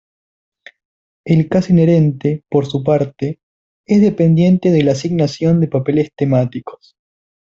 El caso inherente, por su parte, es dependiente de la asignación de papeles temáticos.